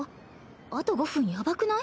あと５分やばくない？